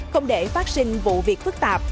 không để phát sinh vụ việc phức tạp